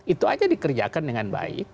itu aja dikerjakan dengan baik